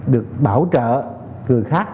được bảo trợ người khác